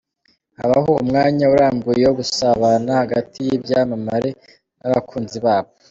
Habaho umwanya urambuye wo gusabana hagati y'ibyamamare n'abakunzi babo.